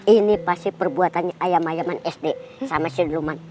ini pasti perbuatannya ayam ayaman sd sama si ruman